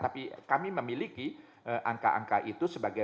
tapi kami memiliki angka angka itu sebagai